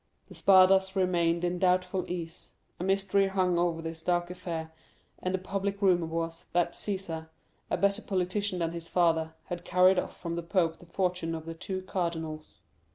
The Spadas remained in doubtful ease, a mystery hung over this dark affair, and the public rumor was, that Cæsar, a better politician than his father, had carried off from the pope the fortune of the two cardinals.